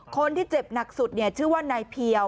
คนที่เจ็บหนักสุดชื่อว่านายเพียว